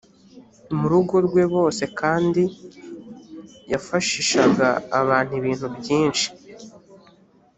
mu rugo rwe bose kandi yafashishaga abantu ibintu byinshi.